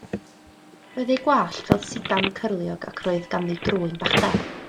Roedd ei gwallt fel sidan cyrliog ac roedd ganddi drwyn bach del.